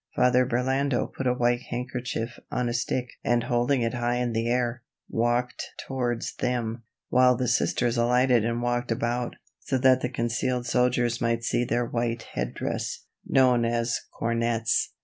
Father Burlando put a white handkerchief on a stick and holding it high in the air, walked towards them, while the Sisters alighted and walked about, so that the concealed soldiers might see their white head dress, known as cornettes.